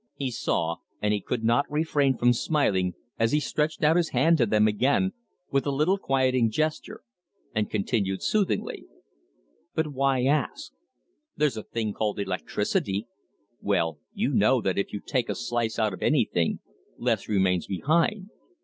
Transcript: He saw, and he could not refrain from smiling as he stretched out his hand to them again with a little quieting gesture, and continued soothingly: "But why should we ask? There's a thing called electricity. Well, you know that if you take a slice out of anything, less remains behind.